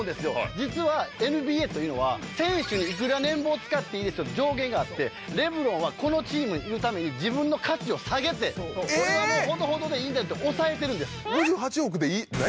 実はＮＢＡというのは選手に幾ら年俸使っていいですよって上限があってレブロンはこのチームにいるために自分の価値を下げて「俺はもうほどほどでいいんだよ」って抑えてるんです。